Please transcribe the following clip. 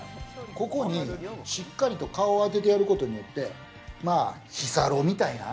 ここに、しっかりと顔を当ててやることによって、日サロみたいな？